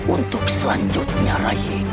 untuk selanjutnya rai